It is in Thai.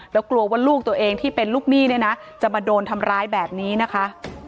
แล้วกลัวว่าลูกตัวเองที่เป็นลูกหนี้เนี่ยนะจะมาโดนทำร้ายแบบนี้นะคะ